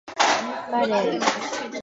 バレー